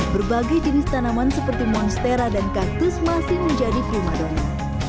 berbagai jenis tanaman seperti monstera dan kaktus masih menjadi prima dona